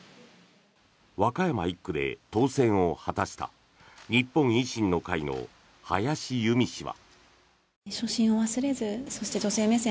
和歌山１区で当選を果たした日本維新の会の林佑美氏は。